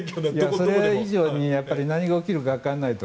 それ以上に何が起きるかわからないと。